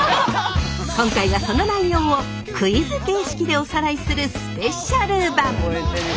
今回はその内容をクイズ形式でおさらいするスペシャル版。